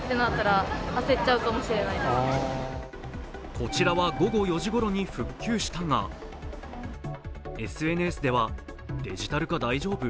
こちらは午後４時ごろに復旧したが、ＳＮＳではデジタル化大丈夫？